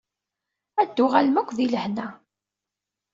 Ad d-tuɣalem akk di lehna.